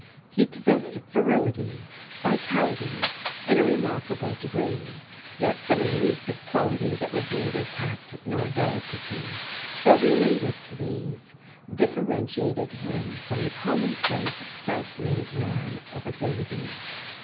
He possessed virility, vitality in a remarkable degree, yet some elusive quality that was neither tact nor delicacy though related to these differentiated him from the commonplace, self made man of ability.